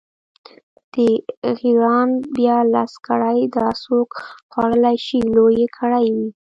د غیراڼ بیا لس کړۍ، دا څوک خوړلی شي، لویې کړۍ وې.